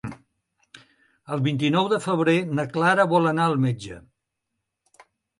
El vint-i-nou de febrer na Clara vol anar al metge.